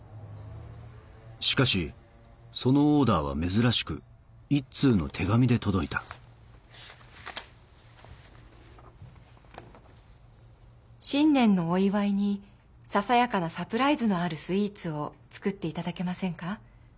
しかしそのオーダーは珍しく１通の手紙で届いた「新年のお祝いにささやかなサプライズのあるスイーツを作っていただけませんか？